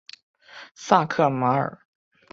萨克马尔。